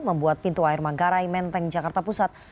membuat pintu air manggarai menteng jakarta pusat